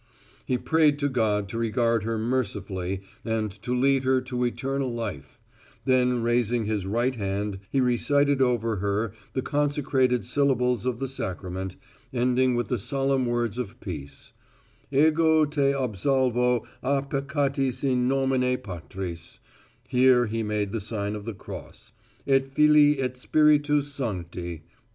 He prayed to God to regard her mercifully and to lead her to eternal life, then raising his right hand he recited over her the consecrated syllables of the sacrament, ending with the solemn words of peace, Ego te absolvo a peccatis in nomine Patris, here he made the sign of the cross, _et Filii et Spiritus Sancti.